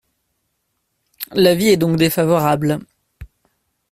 L’avis est donc défavorable.